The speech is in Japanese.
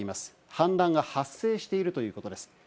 氾濫が発生しているということです。